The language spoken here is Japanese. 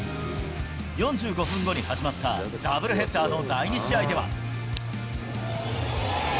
４５分後に始まったダブルヘッダーの第２試合では。